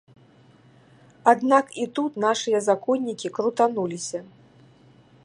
Аднак і тут нашыя законнікі крутануліся.